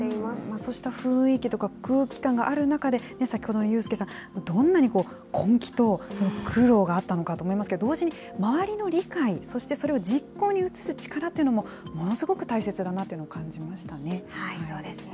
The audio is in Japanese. そうした雰囲気とか空気感がある中で、先ほどの有祐さん、どんなに根気と苦労があったのかと思いますけど、同時に周りの理解、そしてそれを実行に移す力というのも、ものすごく大切だなというのを感じましたね。